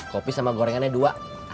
kopi sama gorengannya dua